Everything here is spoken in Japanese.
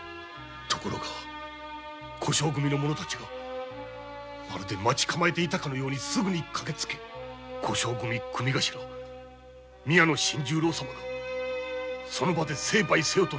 ところが小姓組の者たちが待ち構えていたように駆けつけて小姓組組頭・宮野新十郎様がその場で「成敗せよ」と下知。